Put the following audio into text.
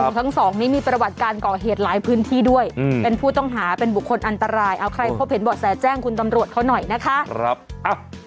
ทั้งสองนี้มีประวัติการก่อเหตุหลายพื้นที่ด้วยเป็นผู้ต้องหาเป็นบุคคลอันตรายเอาใครพบเห็นเบาะแสแจ้งคุณตำรวจเขาหน่อยนะคะ